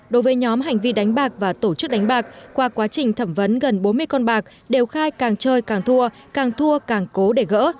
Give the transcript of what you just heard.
đối với nhóm hành vi đánh bạc và tổ chức đánh bạc qua quá trình thẩm vấn gần bốn mươi con bạc đều khai càng chơi càng thua càng thua càng cố để gỡ